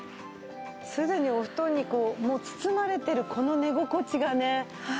すでにお布団にもう包まれてるこの寝心地がね最高ですよね。